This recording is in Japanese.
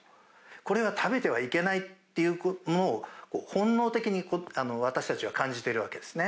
これは食べてはいけないっていうのを、本能的に私たちは感じてるわけですね。